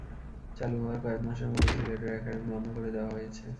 চালু হওয়ার কয়েক মাসের মধ্যেই সিলেটের একাডেমি বন্ধ করে দেওয়া হয়েছে।